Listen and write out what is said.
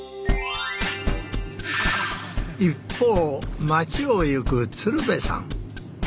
一方町を行く鶴瓶さん。